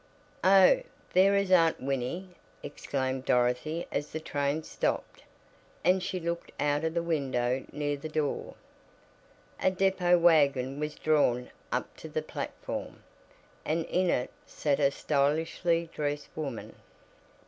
"Oh, there is Aunt Winnie!" exclaimed Dorothy as the train stopped, and she looked out of the window near the door. A depot wagon was drawn up to the platform, and in it sat a stylishly dressed woman.